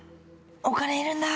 お金いるん！